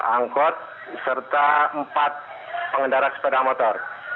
angkot serta empat pengendara sepeda motor